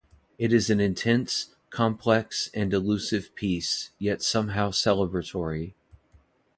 It is an intense, complex and elusive piece, yet somehow celebratory.